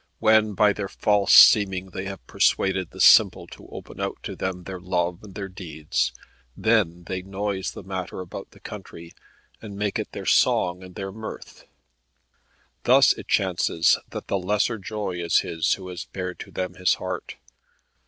When by their false seeming they have persuaded the simple to open out to them their love and their deeds, then they noise the matter about the country, and make it their song and their mirth. Thus it chances that the lesser joy is his who has bared to them his heart.